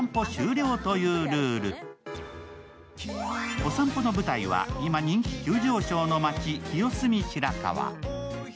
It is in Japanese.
お散歩の舞台は今、人気急上昇の街、清澄白河。